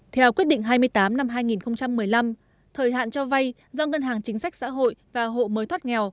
theo quyết định hai mươi tám năm hai nghìn một mươi năm thời hạn cho vay do ngân hàng chính sách xã hội và hộ mới thoát nghèo